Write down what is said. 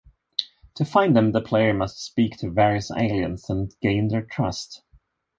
To find them, the player must speak to various aliens and gain their trust.